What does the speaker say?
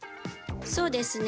そうですね。